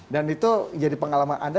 itu jadi pengalaman anda